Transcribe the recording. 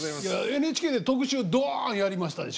ＮＨＫで特集ドンやりましたでしょ？